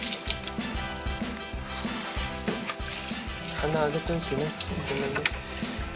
鼻、上げておいてね、ごめんね。